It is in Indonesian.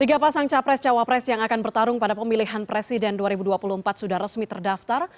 tiga pasang capres cawapres yang akan bertarung pada pemilihan presiden dua ribu dua puluh empat sudah resmi terdaftar